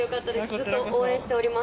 ずっと応援しております。